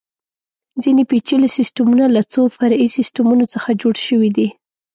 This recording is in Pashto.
ځینې پېچلي سیسټمونه له څو فرعي سیسټمونو څخه جوړ شوي دي.